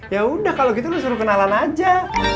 ya udah kalau gitu lu suruh kenalan aja